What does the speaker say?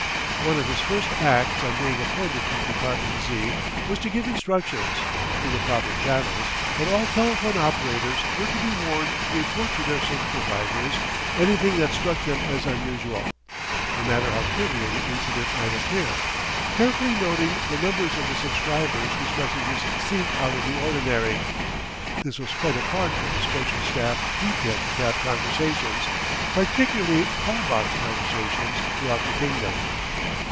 One of his first acts on being appointed to Department Z. was to give instructions, through the proper channels, that all telephone operators were to be warned to report to their supervisors anything that struck them as unusual, no matter how trivial the incident might appear, carefully noting the numbers of the subscribers whose messages seemed out of the ordinary. This was quite apart from the special staff detailed to tap conversations, particularly call box conversations throughout the Kingdom.